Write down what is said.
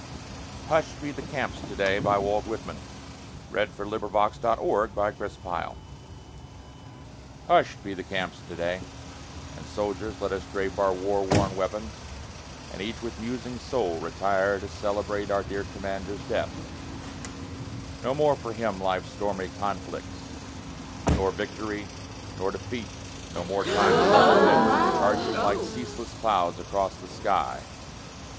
r children en masse really are?) Walt Whitman (1865) Hush'd Be the Camps Today May 4, 1865 HUSH'D be the camps today, And soldiers let us drape our war worn weapons, And each with musing soul retire to celebrate, Our dear commander's death. No more for him life's stormy conflicts, Nor victory, nor defeat no more time's dark events, Charging like ceaseless clouds across the sky.